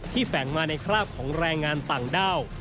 แฝงมาในคราบของแรงงานต่างด้าว